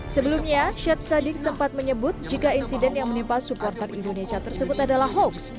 sebelumnya syed sadik sempat menyebut jika insiden yang menimpa supporter indonesia tersebut adalah hoax